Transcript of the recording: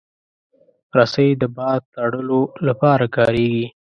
رسۍ د بار تړلو لپاره کارېږي.